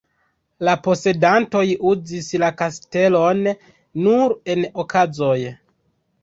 La posedantoj uzis la kastelon nur en okazoj.